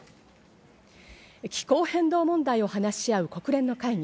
気候変動問題を話し合う国連の会議